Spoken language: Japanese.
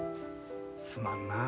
すまんなあ